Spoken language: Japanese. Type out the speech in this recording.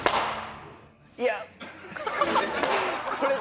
いや。